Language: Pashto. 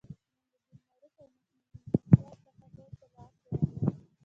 د امر بالمعروف او نهې عن المنکر د هغو په لاس ورغلل.